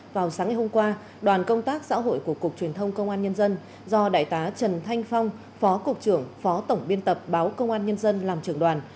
vào sáng ngày hôm qua đoàn công tác xã hội của cục truyền thông công an nhân dân do đại tá trần thanh phong phó cục trưởng phó tổng biên tập báo công an nhân dân làm trưởng đoàn